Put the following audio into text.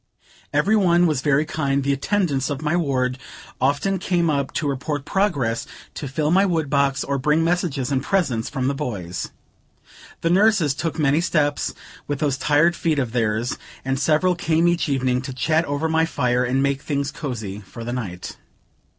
Every one was very kind; the attendants of my ward often came up to report progress, to fill my wood box, or bring messages and presents from my boys. The nurses took many steps with those tired feet of theirs, and several came each evening, to chat over my fire and make things cosy for the night.